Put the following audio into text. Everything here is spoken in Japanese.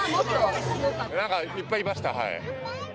なんか、いっぱいいました。